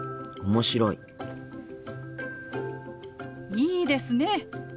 いいですね。